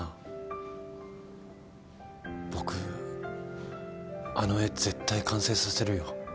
あの絵絶対完成させるよ。